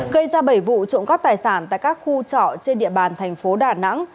gây ra bảy vụ trộn góp tài sản tại các khu trọ trên địa bàn tp đà nẵng